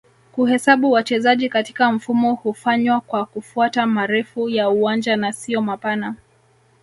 kuhesabu wachezaji katika mfumo hufanywa kwa kufuata marefu ya uwanja na sio mapana